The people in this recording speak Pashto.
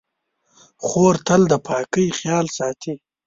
خور تل د پاکۍ خیال ساتي.